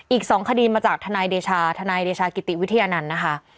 อีก๒คดีมาจากทนายเดชาทนายเดชากิติวิทยานันต์นะคะ